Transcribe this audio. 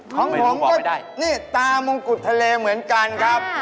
ของผมก็นี่ตามงกุฎทะเลเหมือนกันครับ